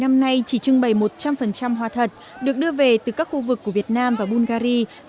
năm nay chỉ trưng bày một trăm linh hoa thật được đưa về từ các khu vực của việt nam và bungary